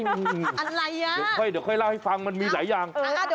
อะไรอ่ะเดี๋ยวค่อยเล่าให้ฟังมันมีหลายอย่าง